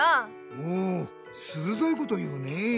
おおするどいことを言うねえ。